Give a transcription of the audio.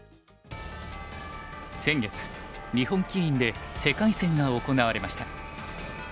先月日本棋院で世界戦が行われました。